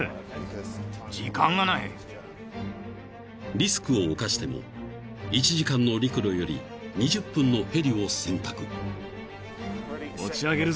［リスクを冒しても１時間の陸路より２０分のヘリを選択］